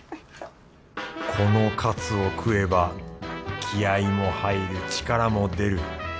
このかつを食えば気合いも入る力も出る。